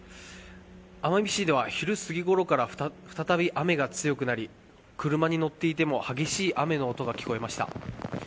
奄美市では昼過ぎごろから再び雨が強くなり車に乗っていても激しい雨の音が聞こえました。